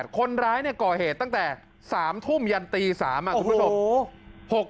คนร้ายก่อเหตุตั้งแต่๓ทุ่มยันตี๓ทุกคนพูดหรือผม